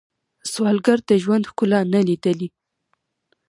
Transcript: سوالګر د ژوند ښکلا نه لیدلې